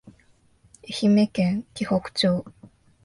愛媛県鬼北町